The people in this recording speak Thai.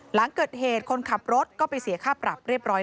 หลังเกิดเหตุคนขับรถก็ไปเสียค่าปรับเรียบร้อย